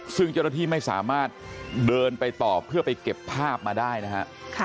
ซึ่งเจ้าหน้าที่ไม่สามารถเดินไปต่อเพื่อไปเก็บภาพมาได้นะฮะ